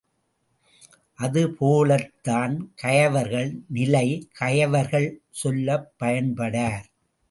அதுபோலத்தான் கயவர்கள் நிலை கயவர்கள் சொல்லப் பயன்படார்.